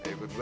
ikut gue yuk